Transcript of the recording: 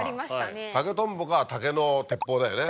竹とんぼか竹の鉄砲だよね。